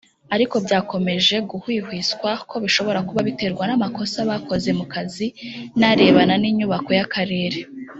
Ariko byakomeje guhwihwiswa ko bishobora kuba biterwa n’amakosa bakoze mu kazi n’arebana n’inyubako y’akarere